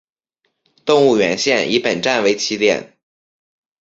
动物园线以本站为起点。